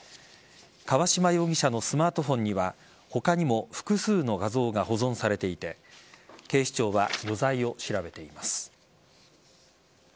河嶌容疑者のスマートフォンには他にも複数の画像が保存されていて警視庁は余罪を調べています。